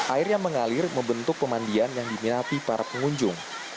air yang mengalir membentuk pemandian yang diminati para pengunjung